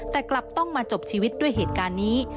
แต่กลับต้องมาจบชีวิตด้วยเหตุการณ์นี้